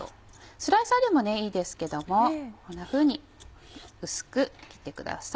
スライサーでもいいですけどもこんなふうに薄く切ってください。